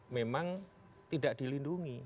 memang tidak dilindungi